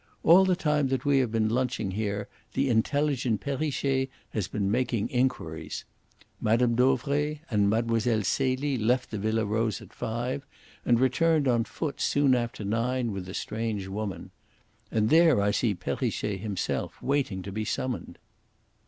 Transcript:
"All the time that we have been lunching here the intelligent Perrichet has been making inquiries. Mme. Dauvray and Mlle. Celie left the Villa Rose at five, and returned on foot soon after nine with the strange woman. And there I see Perrichet himself waiting to be summoned."